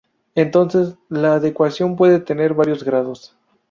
Entonces, la adecuación puede tener varios grados.